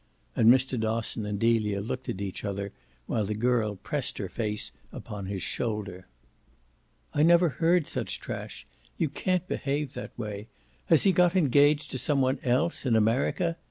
And Mr. Dosson and Delia looked at each other while the girl pressed her face upon his shoulder. "I never heard such trash you can't behave that way! Has he got engaged to some one else in America?"